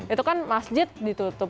itu kan masjid ditutup